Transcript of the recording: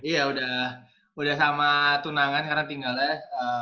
iya udah sama tunangan karena tinggal ya